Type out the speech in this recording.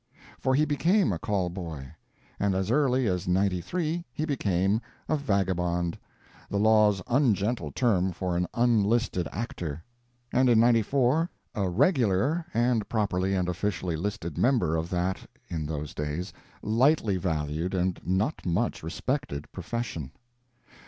For he became a call boy; and as early as '93 he became a "vagabond"—the law's ungentle term for an unlisted actor; and in '94 a "regular" and properly and officially listed member of that (in those days) lightly valued and not much respected profession.